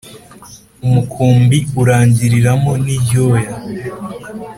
Umukumbi urangiriramo n’iryoya.